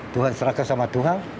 tuhan serahkan sama tuhan